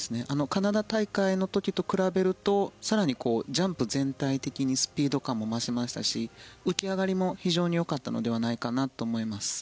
カナダ大会の時と比べると更にジャンプ、全体的にスピード感も増しましたし浮き上がりも非常によかったのではないかなと思います。